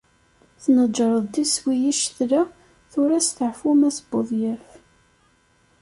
Tneǧreḍ-d iswi i ccetla, tura steεfu Mass Buḍyaf.